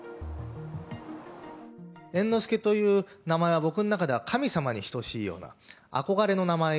猿之助という名前は、僕の中では神様に等しいような憧れの名前。